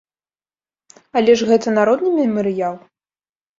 Але ж гэта народны мемарыял.